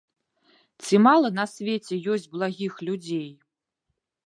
Ці мала на свеце ёсць благіх людзей.